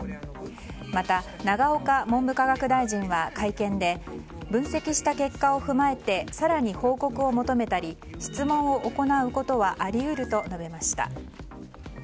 また、永岡文部科学大臣は会見で、分析した結果を踏まえて更に報告を求めたり質問を行うことはあり得ると述べました。